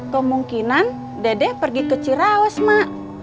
kemungkinan dedek pergi ke cirawas mak